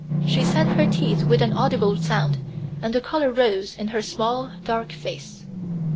She set her teeth with an audible sound, and the color rose in her small, dark face.